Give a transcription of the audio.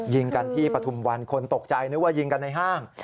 ยิงกันที่ปฐุมวันคนตกใจนึกว่ายิงกันในห้าง